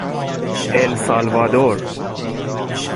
السالوادور